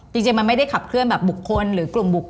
จริงมันไม่ได้ขับเคลื่อนแบบบุคคลหรือกลุ่มบุคค